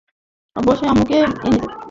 অবশ্যই আম্মুকে এনে দেবো।